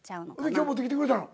今日持ってきてくれたの？